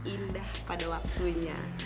indah pada waktunya